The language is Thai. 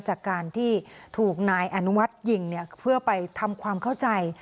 จากการที่ถูกนายอนุวัฒน์ยิงเพื่อไปทำความเข้าใจ